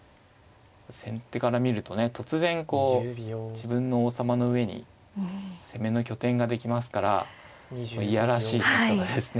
先手から見るとね突然こう自分の王様の上に攻めの拠点ができますから嫌らしい指し方ですね。